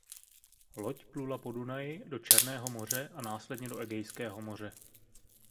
Loď plula po Dunaji do Černého moře a následně do Egejského moře.